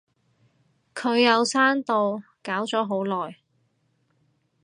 佢有刪到，搞咗好耐